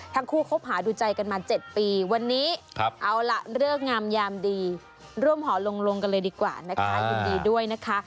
ทั้งคู่คบหาดูใจกันมา๗ปีวันนี้เอาละเริ่มห่อลงกันเลยดีกว่านะคะยุ่นดีด้วยนะคะ